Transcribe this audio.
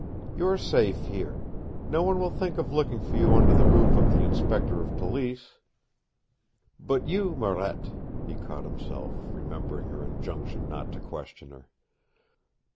You are safe here. No one will think of looking for you under the roof of the Inspector of Police." "But you, Marette!" He caught himself, remembering her injunction not to question her.